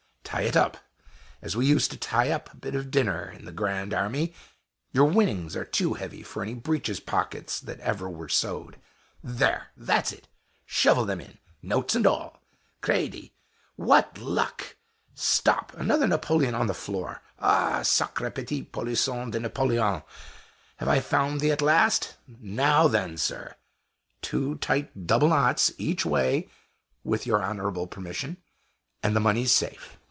"Tie it up, as we used to tie up a bit of dinner in the Grand Army; your winnings are too heavy for any breeches pockets that ever were sewed. There! that's it shovel them in, notes and all! Credie! what luck! Stop! another napoleon on the floor! Ah! sacre petit polisson de Napoleon! have I found thee at last? Now then, sir two tight double knots each way with your honorable permission, and the money's safe.